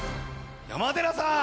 山寺さん！